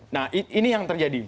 nah ini yang terjadi